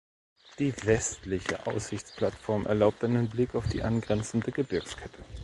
Die westliche Aussichtsplattform erlaubt einen Blick auf die angrenzende Gebirgskette.